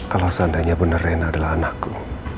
kalau seandainya benar rena adalah anakku